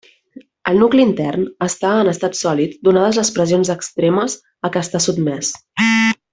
El nucli intern està en estat sòlid donades les pressions extremes a què està sotmès.